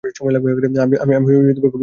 আমি খুব গর্বিত।